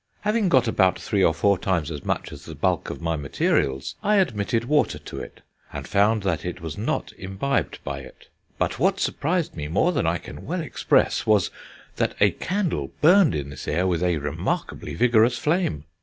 Having got about three or four times as much as the bulk of my materials, I admitted water to it, and found that it was not imbibed by it. But what surprised me more than I can well express was, that a candle burned in this air with a remarkably vigorous flame....